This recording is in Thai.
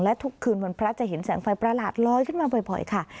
และทุกคืนวันพระจะเห็นแสงไฟประหลาดลอยขึ้นมาบ่อยค่ะ